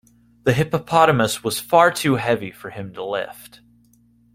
The hippopotamus was far too heavy for him to lift.